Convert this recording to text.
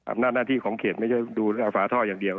อำนาจหน้าที่ของเขตไม่ใช่ดูแลฝาท่ออย่างเดียว